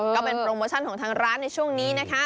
ก็เป็นโปรโมชั่นของทางร้านในช่วงนี้นะคะ